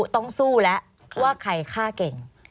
ต้องสู้แล้วว่าใครฆ่าเก่ง